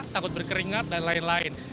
takut berkeringat dan lain lain